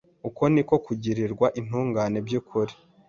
Uko ni ko kugirwa intungane by’ukuri